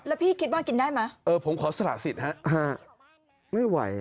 แล้วพี่คิดว่ากินได้ไหมเออผมขอสละสิทธิ์ฮะไม่ไหว